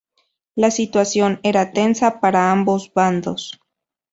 La situación era tensa para ambos bandos.